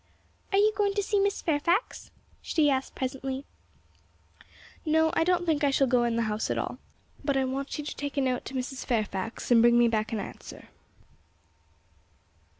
'Are you going to see Miss Fairfax?' she asked presently. 'No, I don't think I shall go into the house at all; but I want you to take a note to Mrs. Fairfax and bring me back an answer.'